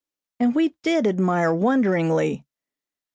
And we did admire wonderingly.